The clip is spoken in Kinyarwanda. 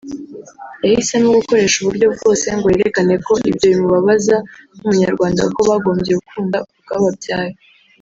yahisemo gukoresha uburyo bwose ngo yerekane ko ibyo bimubabaza nk’Umunyarwanda kuko bagombye gukunda urwababyaye